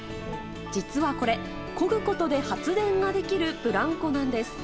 実はこれこぐことで発電ができるブランコなんです。